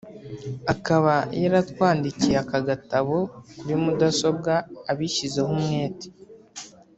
akaba yaratwandikiye aka gatabo kuri mudasobwa abishyizeho umwete